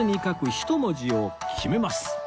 １文字を決めます